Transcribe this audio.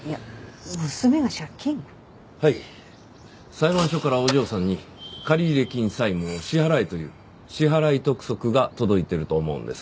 裁判所からお嬢さんに借入金債務を支払えという支払督促が届いてると思うんですが。